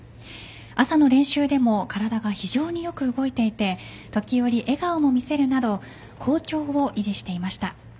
朝の練習でも体が非常によく動いていて時折笑顔も見せるなど好調を維持していました。